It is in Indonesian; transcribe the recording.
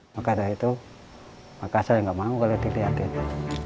maka saya tidak mau kalau dilihat itu